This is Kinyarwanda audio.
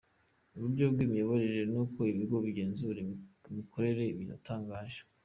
Uburyo bw’imiyoborere n’uko ibigo bigenzura imikorere biratangaje.